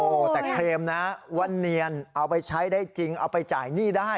โอ้โหแต่เคลมนะว่าเนียนเอาไปใช้ได้จริงเอาไปจ่ายหนี้ได้